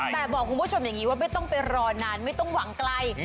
แต่บอกคุณผู้ชมอย่างนี้ว่าไม่ต้องไปรอนานไม่ต้องหวังไกล